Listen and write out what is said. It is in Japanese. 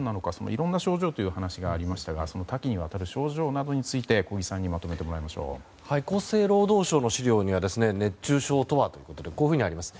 いろんな症状という話がありましたが多岐にわたる症状などについて小木さんに厚生労働省の資料には熱中症とはということでこういうふうにあります。